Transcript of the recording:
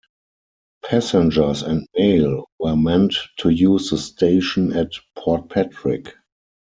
Passengers and mail were meant to use the station at Portpatrick.